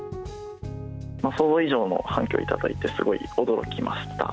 想像以上の反響を頂いて、すごい驚きました。